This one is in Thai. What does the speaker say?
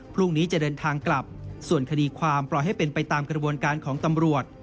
พรุ่งนี้จะเดินทางกลับส่วนคดีความปล่อยให้เป็นไปตามกระบวนการของตำรวจ